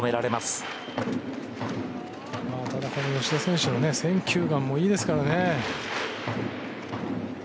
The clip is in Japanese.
ただ、この吉田選手の選球眼もいいですからね。